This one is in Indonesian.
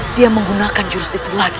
dia menggunakan jurus itu lagi